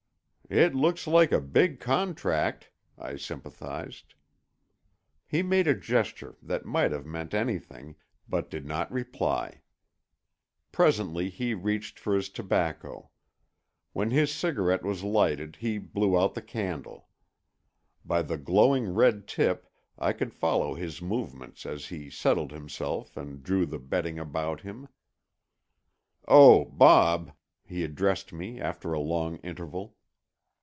"It looks like a big contract," I sympathized. He made a gesture that might have meant anything, but did not reply. Presently he reached for his tobacco. When his cigarette was lighted he blew out the candle. By the glowing red tip I could follow his movements as he settled himself and drew the bedding about him. "Oh, Bob," he addressed me after a long interval.